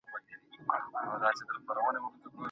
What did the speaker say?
د لاس لیکنه د احساساتو د خالي کولو وسیله ده.